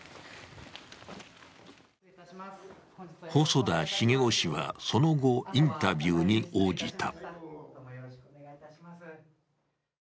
細田重雄氏はその後インタビューに応じた。